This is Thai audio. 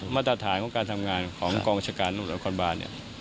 มาตรฐานที่จะตามมาของกองกัญชาการหลวงราคอนบาล